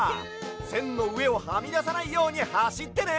せんのうえをはみださないようにはしってね！